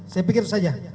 saya pikir itu saja